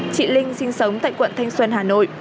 chị linh sinh sống tại quận thanh xuân hà nội